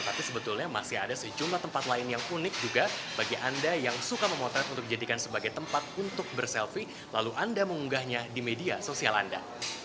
tapi sebetulnya masih ada sejumlah tempat lain yang unik juga bagi anda yang suka memotret untuk dijadikan sebagai tempat untuk berselfie lalu anda mengunggahnya di media sosial anda